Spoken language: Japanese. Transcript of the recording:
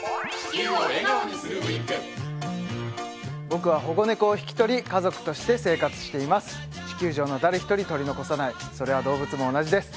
僕は保護猫を引き取り家族として生活しています地球上の誰一人取り残さないそれは動物も同じです